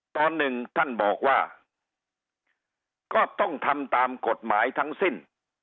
ตอนหนึ่งท่านบอกว่าก็ต้องทำตามกฎหมายทั้งสิ้น